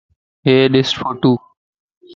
ايي ڏھه ڦوٽوون